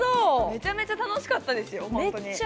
めちゃめちゃ楽しかったです。